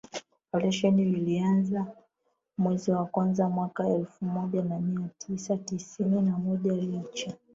Oparetion vilianza mwezi wa kwanza mwaka elfu moja mia tisa tisini na moja licha